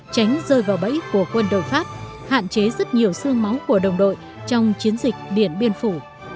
tránh rơi vào bẫy của quân đội pháp hạn chế rất nhiều sương máu của đồng đội trong chiến dịch điện biên phủ